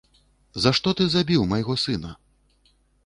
За што ты забіў майго сына?